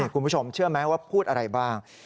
คุณผู้ชมเชื่อไหมว่าพูดอะไรบ้าง